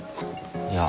いや。